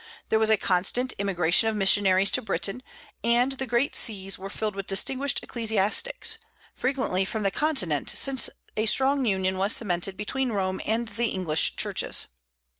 There was a constant immigration of missionaries into Britain, and the great sees were filled with distinguished ecclesiastics, frequently from the continent, since a strong union was cemented between Rome and the English churches.